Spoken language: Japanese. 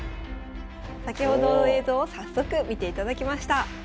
先ほどの映像を早速見ていただきました。